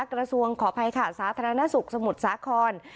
ขออภัยค่ะสาธารณสุขสมุทรสาคร